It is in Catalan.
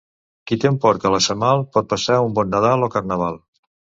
Qui té un porc a la semal pot passar un bon Nadal o Carnaval.